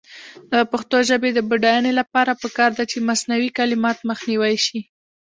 د پښتو ژبې د بډاینې لپاره پکار ده چې مصنوعي کلمات مخنیوی شي.